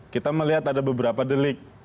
kita melihat ada beberapa delik